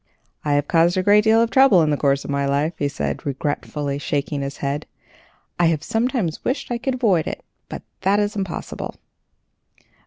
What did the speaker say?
"I have caused a great deal of trouble in the course of my life," he said, regretfully, shaking his head. "I have sometimes wished I could avoid it, but that is impossible.